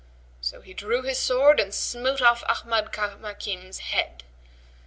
So he drew his sword and smote off Ahmad Kamakim's head.